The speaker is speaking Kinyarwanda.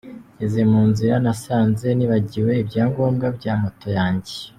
Ngeze mu nzira nasanze nibagiwe ibyangombwa bya moto yanjye.